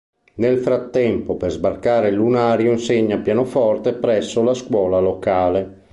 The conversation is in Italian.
Nel frattempo per sbarcare il lunario insegna pianoforte presso la scuola locale.